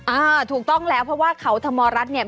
อ่าถูกต้องแล้วเพราะว่าเขาธรรมรัฐเนี่ย